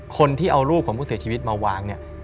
คนที่เอารูปของผู้เสียชีวิตมาวางเนี่ย